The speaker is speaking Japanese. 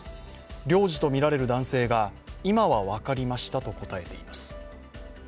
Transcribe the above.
領事とみられる男性が今は分かりましたと答えています。